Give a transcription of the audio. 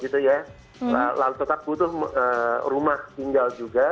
tetap butuh rumah tinggal juga